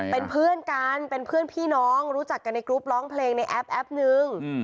เป็นเพื่อนกันเป็นเพื่อนพี่น้องรู้จักกันในกรุ๊ปร้องเพลงในแอปแอปนึง